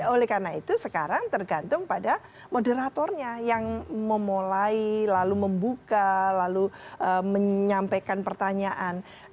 oleh karena itu sekarang tergantung pada moderatornya yang memulai lalu membuka lalu menyampaikan pertanyaan